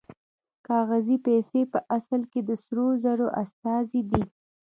کاغذي پیسې په اصل کې د سرو زرو استازي دي